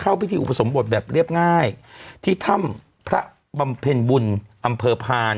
พิธีอุปสมบทแบบเรียบง่ายที่ถ้ำพระบำเพ็ญบุญอำเภอพาน